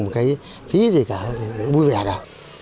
cái phí gì cả vui vẻ cả